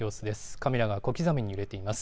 カメラが小刻みに揺れています。